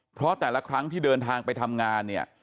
เพราะแต่ละครั้งที่เดินทางไปทำงานเนี่ย